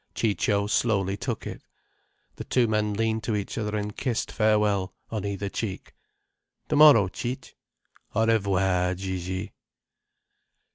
Ciccio slowly took it. The two men leaned to each other and kissed farewell, on either cheek. "Tomorrow, Cic'—" "Au revoir, Gigi."